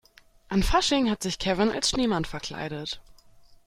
An Fasching hat sich Kevin als Schneemann verkleidet.